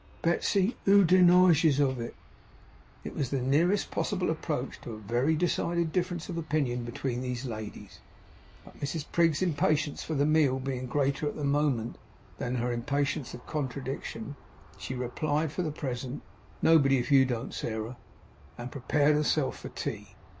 'Betsey, who deniges of it?' It was the nearest possible approach to a very decided difference of opinion between these ladies; but Mrs Prig's impatience for the meal being greater at the moment than her impatience of contradiction, she replied, for the present, 'Nobody, if you don't, Sairah,' and prepared herself for tea.